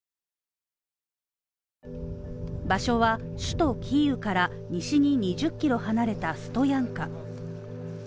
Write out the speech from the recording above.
場所は首都キーウから西に２０ｋｍ離れたストヤンカ。